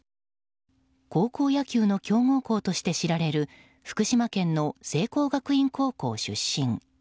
高校野球の強豪校として知られる福島県の聖光学院高校出身。